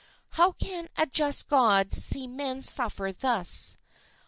How can a just God see men suffer thus?